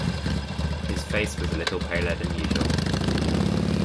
His face was a little paler than usual.